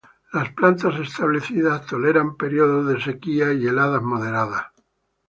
Las plantas establecidas toleran periodos de sequía y heladas moderadas.